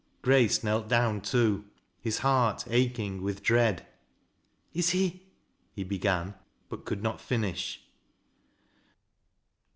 Grace knell down too, his heart aching with dread. " Is he " he began, but could not finish.